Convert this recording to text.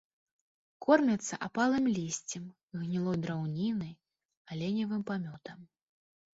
Кормяцца апалым лісцем, гнілой драўнінай, аленевым памётам.